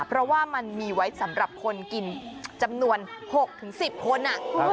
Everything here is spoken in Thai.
เพราะว่ามันมีไว้สำหรับคนกินจำนวน๖๑๐คน